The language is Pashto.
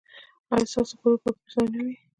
ایا ستاسو غرور به پر ځای نه وي؟